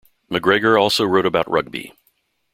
MacGregor also wrote about rugby.